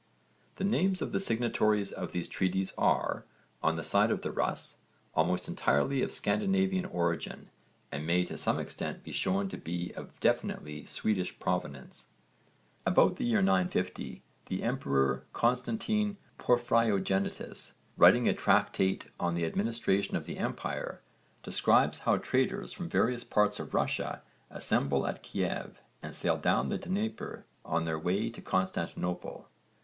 The names of the signatories to these treaties are, on the side of the 'Rus,' almost entirely of Scandinavian origin and may to some extent be shown to be of definitely Swedish provenance. About the year 950, the emperor Constantine Porphyrogenitus, writing a tractate on the administration of the empire, describes how traders from various parts of Russia assemble at Kiev and sail down the Dnieper on their way to Constantinople.